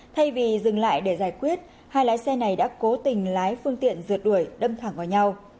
thay vì dừng lại để giải quyết hai lái xe này đã cố tình lái phương tiện rượt đuổi đâm thẳng vào nhau